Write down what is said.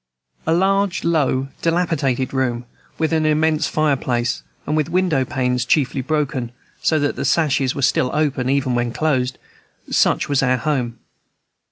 A large, low, dilapidated room, with an immense fireplace, and with window panes chiefly broken, so that the sashes were still open even when closed, such was our home.